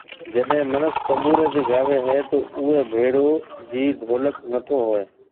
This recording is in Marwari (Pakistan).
جڏي منک تنبوري تي گاوي ھيَََ تو اوئي ڀيڙو جي ڍولڪ نٿو ھوئي